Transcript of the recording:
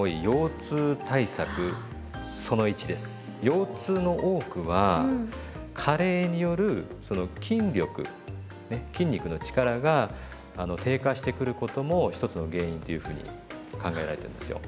腰痛の多くは加齢によるその筋力ね筋肉の力が低下してくることも一つの原因っていうふうに考えられてるんですよ。